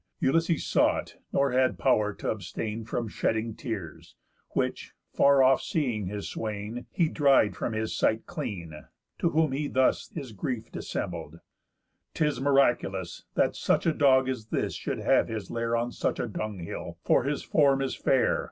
Ulysses saw it, nor had pow'r t' abstain From shedding tears; which (far off seeing his swain) He dried from his sight clean; to whom he thus His grief dissembled: "'Tis miraculous, That such a dog as this should have his lair On such a dunghill, for his form is fair.